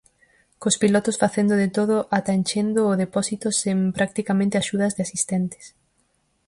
Cos pilotos facendo de todo, ata enchendo o depósito, sen practicamente axudas de asistentes.